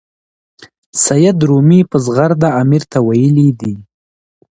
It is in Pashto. سید رومي په زغرده امیر ته ویلي دي.